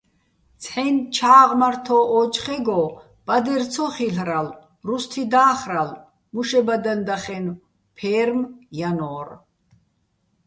ცჰ̦აჲნი̆ ჩა́ღმართო́ ო́ჯხეგო ბადერ ცო ხილ'რალო̆, რუსთი და́ხრალო̆, მუშებადაჼ დახენო̆, ფე́რმ ჲანო́რ.